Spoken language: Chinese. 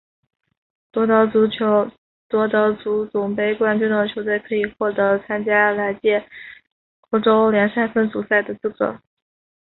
夺得足总杯冠军的球队可以获得参加来届欧洲联赛分组赛的资格。